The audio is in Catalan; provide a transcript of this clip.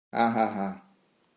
Ah, ah, ah!